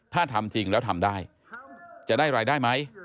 ถ้าทำจริงแล้วทำได้จะได้รายได้ไหม